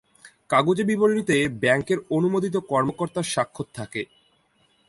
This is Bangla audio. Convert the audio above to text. কাগুজে বিবরণীতে ব্যাংকের অনুমোদিত কর্মকর্তার স্বাক্ষর থাকে।